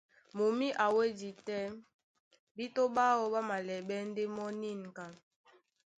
Mumí a wédi tɛ́ bíto ɓáō ɓá malɛɓɛ́ ndé mɔ́ nînka.